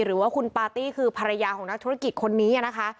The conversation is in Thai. หรือว่าคุณปาร์ตี้คือภรรยาของนักธุรกิจคนนี้นะคะ